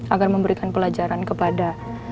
agar memberikan pelajaran kepada